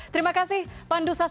terima kasih pandu sastrowati